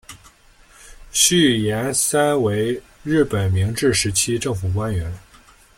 续彦三为日本明治时期政府官员。